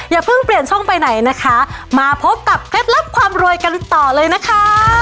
อย่าเพิ่งเปลี่ยนช่องไปไหนนะคะมาพบกับเคล็ดลับความรวยกันต่อเลยนะคะ